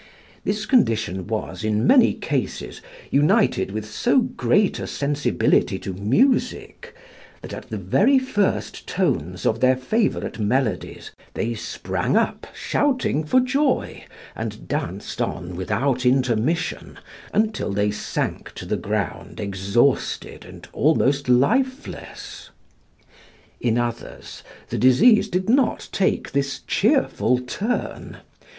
This condition was, in many cases, united with so great a sensibility to music, that at the very first tones of their favourite melodies they sprang up, shouting for joy, and danced on without intermission, until they sank to the ground exhausted and almost lifeless. In others, the disease did not take this cheerful turn.